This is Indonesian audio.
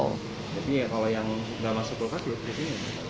kalau yang nggak masuk kulkas gue masukinnya